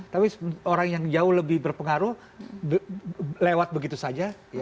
tapi orang yang jauh lebih berpengaruh lewat begitu saja